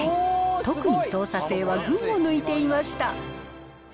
特に操作性は群を抜いていました。